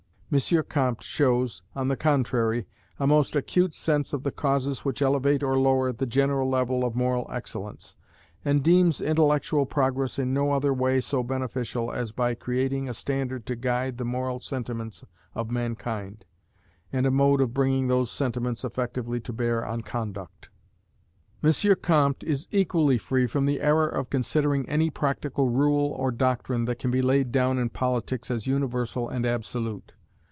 M. Comte shows, on the contrary, a most acute sense of the causes which elevate or lower the general level of moral excellence; and deems intellectual progress in no other way so beneficial as by creating a standard to guide the moral sentiments of mankind, and a mode of bringing those sentiments effectively to bear on conduct. M. Comte is equally free from the error of considering any practical rule or doctrine that can be laid down in politics as universal and absolute.